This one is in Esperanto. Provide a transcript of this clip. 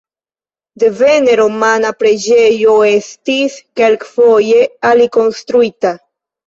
Devene romana preĝejo estis kelkfoje alikonstruita.